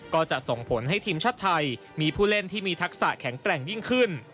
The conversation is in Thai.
ก็จะส่งผลให้ทีมชาติไทยมีผู้เล่นที่มีทักษะแข็งแกร่งยิ่งขึ้น